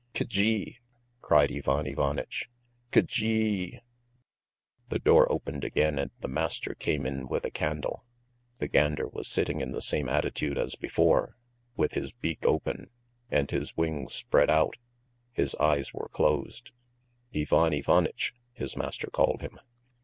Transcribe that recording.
"K gee!" cried Ivan Ivanitch, "K g ee!" The door opened again and the master came in with a candle. The gander was sitting in the same attitude as before, with his beak open, and his wings spread out, his eyes were closed. "Ivan Ivanitch!" his master called him.